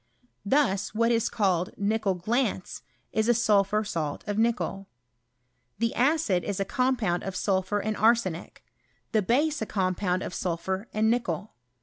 Thus, what is called nickel glance, is a sulphur salt of nickel. Tlie acid is a compound of sulphur and arsenic, the base a* compound of sulphur and nickel.